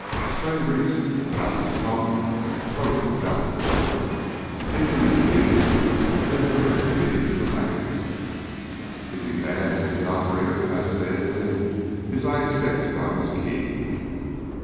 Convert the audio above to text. Stray wreaths of tobacco smoke floated about the room, leaping into view as they drifted beneath the lamp. "Is he bad?" asked the operator fascinatedly, his eyes fixed on his key.